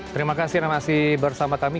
terima kasih anda masih bersama kami